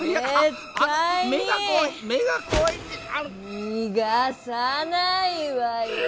にがさないわよ！